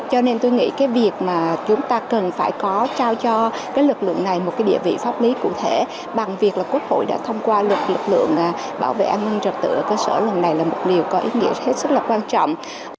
cho nên tôi nghĩ việc chúng ta cần phải trao cho luật lượng này một địa vị pháp lý cụ thể bằng việc quốc hội đã thông qua luật lực lượng bảo vệ an ninh trật tự ở cơ sở lần này là một điều có ý nghĩa rất quan trọng